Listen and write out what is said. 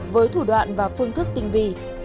với thủ đoạn và phương thức tinh vi